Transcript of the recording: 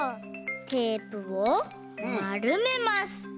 テープをまるめます。